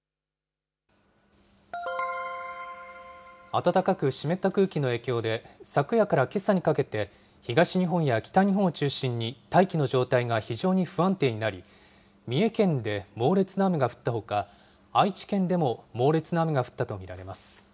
暖かく湿った空気の影響で、昨夜からけさにかけて、東日本や北日本を中心に大気の状態が非常に不安定になり、三重県で猛烈な雨が降ったほか、愛知県でも猛烈な雨が降ったと見られます。